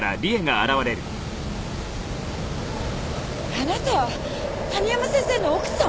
あなた谷浜先生の奥さん！？